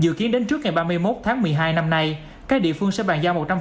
dự kiến đến trước ngày ba mươi một tháng một mươi hai năm nay các địa phương sẽ bàn giao một trăm linh